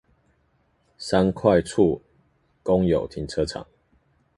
三塊厝公有停車場